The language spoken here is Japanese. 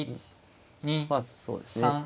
まあそうですね